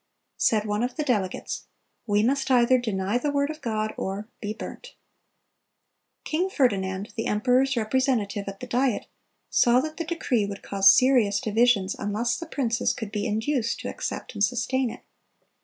Said one of the delegates, "We must either deny the word of God, or—be burnt."(292) King Ferdinand, the emperor's representative at the Diet, saw that the decree would cause serious divisions unless the princes could be induced to accept and sustain it.